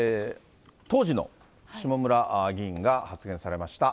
当時の下村議員が発言されました。